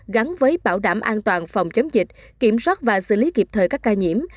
gắn với bảo đảm an toàn phòng chống dịch kiểm soát và xử lý kịp thời các ca nhiễm